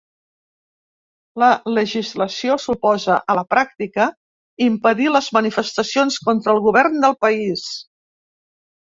La legislació suposa, a la pràctica, impedir les manifestacions contra el govern del país.